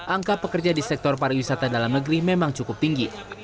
angka pekerja di sektor pariwisata dalam negeri memang cukup tinggi